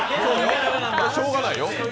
しょうがないよ。